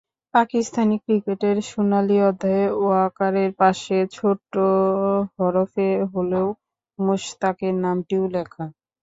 পাকিস্তানি ক্রিকেটের সোনালি অধ্যায়ে ওয়াকারের পাশে ছোট হরফে হলেও মুশতাকের নামটিও লেখা।